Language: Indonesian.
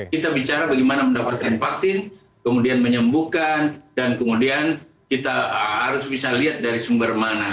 kita bicara bagaimana mendapatkan vaksin kemudian menyembuhkan dan kemudian kita harus bisa lihat dari sumber mana